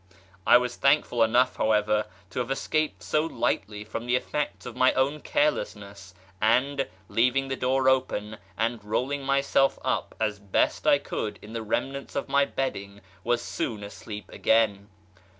I was thankful enough, however, to have escaped so lightly from the effects of my own carelessness, and, leaving the door open, and rolling myself up as best I could in the remnants of my bedding, was soon asleep again.